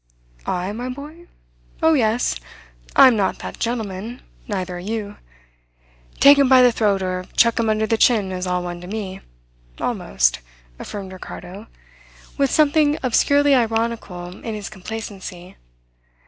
"I, my boy? Oh, yes. I am not that gentleman; neither are you. Take 'em by the throat or chuck 'em under the chin is all one to me almost," affirmed Ricardo, with something obscurely ironical in his complacency.